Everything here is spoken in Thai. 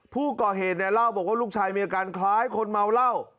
ผู้ก่อเหตุเนี่ยเล่าบอกว่าลูกชายมีอาการคล้ายคนเมาเหล้า